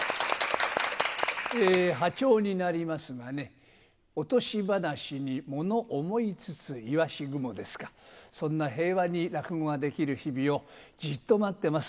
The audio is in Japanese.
はちょうになりますがね、落とし話に物思いつつイワシ雲ですか、そんな平和に落語ができる日々を、じっと待ってます。